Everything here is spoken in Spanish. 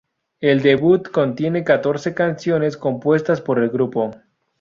El debut contiene catorce canciones compuestas por el grupo.